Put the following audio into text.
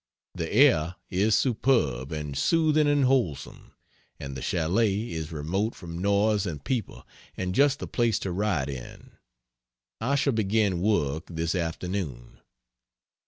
The air is superb and soothing and wholesome, and the Chalet is remote from noise and people, and just the place to write in. I shall begin work this afternoon.